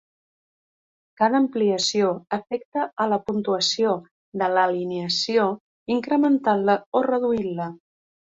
Cada ampliació afecta a la puntuació de l'alineació incrementant-la o reduint-la.